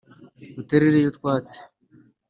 Dutererayo utwatsi